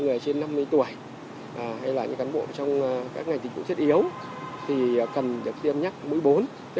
còn đối với nhóm đầu người trên năm mươi tuổi hay là những cán bộ trong các ngành tình cụ thiết yếu thì cần được tiêm nhắc mũi bốn